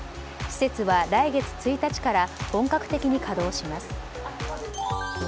施設は来月１日から本格的に稼働します。